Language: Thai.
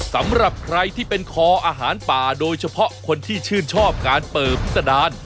สำหรับใครที่เป็นคออาหารป่าโดยเฉพาะคนที่ชื่นชอบการเปิดพิษดาร